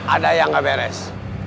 ada yang gak beres